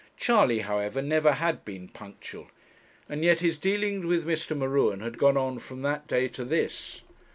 Charley, however, never had been punctual, and yet his dealings with Mr. M'Ruen had gone on from that day to this.